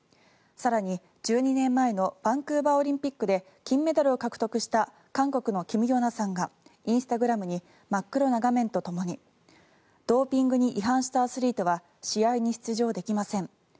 更に、１２年前のバンクーバーオリンピックで金メダルを獲得した韓国のキム・ヨナさんがインスタグラムに真っ黒な画面とともにドーピングに違反したアスリートは試合に出場できません。